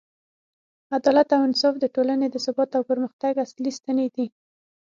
عدالت او انصاف د ټولنې د ثبات او پرمختګ اصلي ستنې دي.